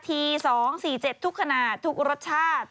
ที๒๔๗ทุกขนาดทุกรสชาติ